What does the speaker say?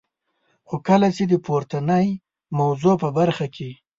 خو کله چي د پورتنی موضوع په برخه کي.